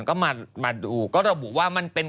ก็มาดูก็ระบุว่ามันเป็น